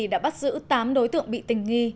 đã bắt giữ tám đối tượng bị tình nghi